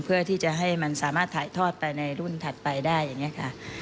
เพื่อที่จะให้มันสามารถถ่ายทอดไปในรุ่นถัดไปได้อย่างนี้ค่ะ